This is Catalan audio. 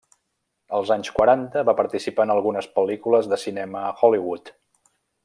Als anys quaranta va participar en algunes pel·lícules de cinema a Hollywood.